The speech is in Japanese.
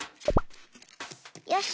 よし！